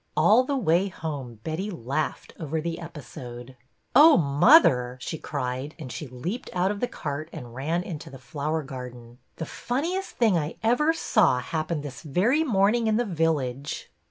All the way home Betty laughed over the episode. '' Oh, mother," she cried, and she leaped out of the cart and ran into the flower garden, '' the funniest thing I ever saw happened this very morning in the village."